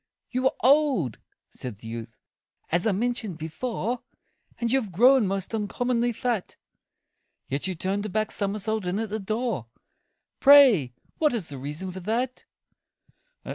"You are old," said the youth, "as I mentioned before, And you have grown most uncommonly fat; Yet you turned a back somersault in at the door Pray what is the reason for that?"